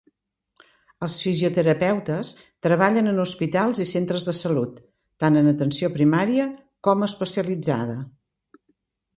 Els fisioterapeutes treballen en hospitals i Centres de Salut, tant en atenció primària com especialitzada.